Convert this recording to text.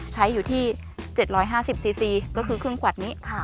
ใช้อยู่ที่๗๕๐ซีซีก็คือเครื่องขวัดนี้